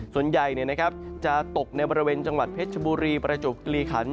ส่วนใหญ่จะตกในบริเวณจังหวัดเพชรบุรีประจวบกิลีขัน